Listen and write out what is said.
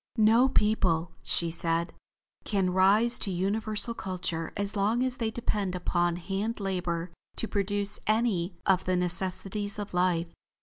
"No people," she said, "can rise to universal culture as long as they depend upon hand labor to produce any of the necessities of life.